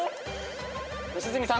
良純さん